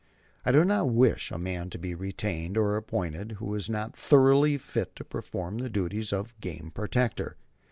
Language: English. I do not wish a man to be retained or appointed who is not thoroughly fit to perform the duties of game protector.